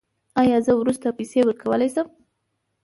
ایا زه وروسته پیسې ورکولی شم؟